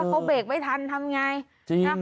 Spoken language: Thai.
เขาเบรกไม่ทันทำอย่างไร